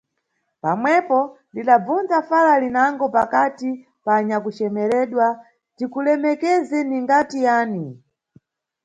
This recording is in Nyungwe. Pamwepo – lidabvunza fala linango pakati pa anyakucemeredwa – Tikulemekeze ningati yani?